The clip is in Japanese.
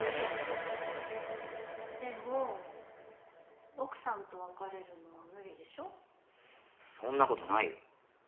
でも奥さんと別れるのは無理そんなことないよ。